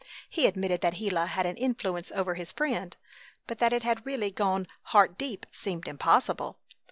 He admitted that Gila had an influence over his friend, but that it had really gone heart deep seemed impossible.